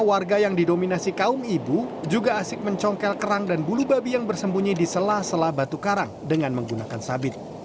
warga yang didominasi kaum ibu juga asik mencongkel kerang dan bulu babi yang bersembunyi di sela sela batu karang dengan menggunakan sabit